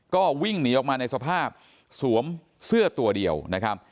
ก็วิ่งหนีออกมาในสภาพสวมเสื้อตัวเดียวนะครับ